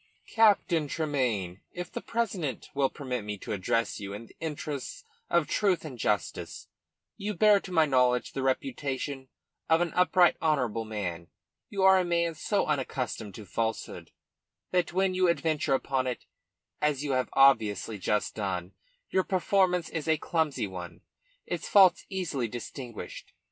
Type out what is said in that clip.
"Captain Tremayne if the president will permit me to address you in the interests of truth and justice you bear, to my knowledge, the reputation of an upright, honourable man. You are a man so unaccustomed to falsehood that when you adventure upon it, as you have obviously just done, your performance is a clumsy one, its faults easily distinguished.